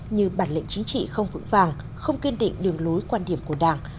như bản lệ chính trị không vững vàng không kiên định đường lối quan điểm của đảng